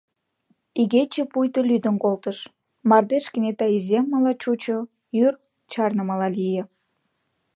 Игече пуйто лӱдын колтыш: мардеж кенета иземмыла чучо, йӱр чарнымыла лие.